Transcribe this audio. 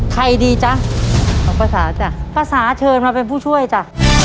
ใครดีจ้ะเอาประสาทจ้ะประสาทเชิญมาเป็นผู้ช่วยจ้ะ